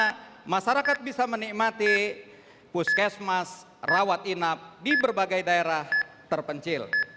karena masyarakat bisa menikmati puskesmas rawat inap di berbagai daerah terpencil